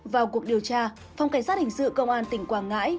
vào cuộc điều tra phòng cảnh sát hình sự công an tỉnh quảng ngãi